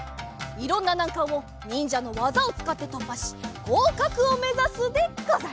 いろんななんかんをにんじゃのわざをつかってとっぱしごうかくをめざすでござる。